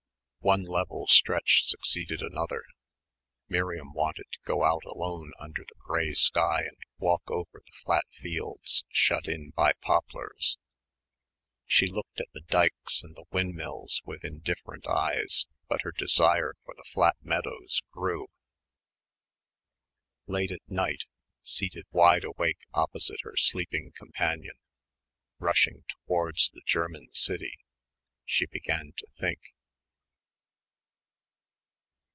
One level stretch succeeded another. Miriam wanted to go out alone under the grey sky and walk over the flat fields shut in by poplars. She looked at the dykes and the windmills with indifferent eyes, but her desire for the flat meadows grew. Late at night, seated wide awake opposite her sleeping companion, rushing towards the German city, she began to think.